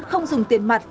không dùng tiền mặt